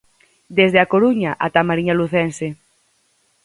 Desde A Coruña ata a Mariña Lucense.